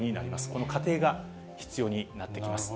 この過程が必要になってきます。